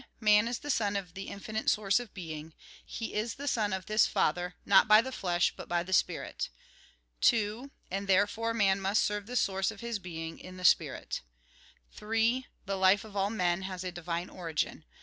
Man is the son of the Infinite Source of Being ; he is the son of this Father, not by the flesh but by the spirit. 2. And therefore, man must serve the Source of his being, in the spirit. 3. The life of all men has a divine Origin.